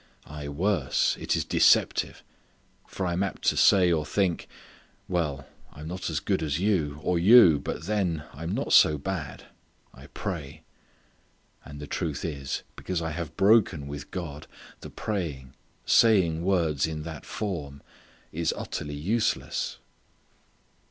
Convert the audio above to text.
Aye, worse, it is deceptive. For I am apt to say or think, "Well, I am not as good as you, or you, but then I am not so bad; I pray." And the truth is because I have broken with God the praying saying words in that form is utterly worthless.